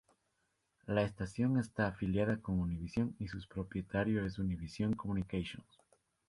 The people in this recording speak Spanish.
La estación está afiliada con Univision y su propietario es Univision Communications.